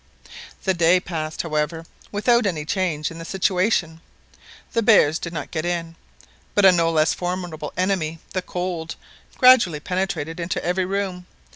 The day passed, however, without any change in the situation. The bears did not get in; but a no less formidable enemy, the cold, gradually penetrated into every room.